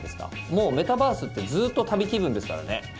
もうメタバースってずっと旅気分ですからね。